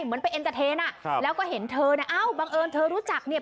เหมือนไปเอ็นเตอร์เทนอ่ะครับแล้วก็เห็นเธอเนี่ยเอ้าบังเอิญเธอรู้จักเนี่ย